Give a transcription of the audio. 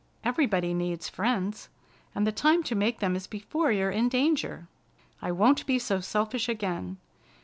"Everybody needs friends, and the time to make them is before you're in danger. I won't be so selfish again.